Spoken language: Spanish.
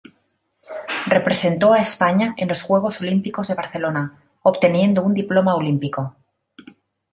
Representó a España en los Juegos Olímpicos de Barcelona, obteniendo un diploma olímpico.